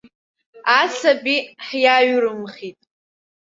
Асаби ҳиаҩрымхит.